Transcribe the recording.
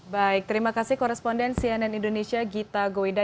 baik terima kasih koresponden cnn indonesia gita goida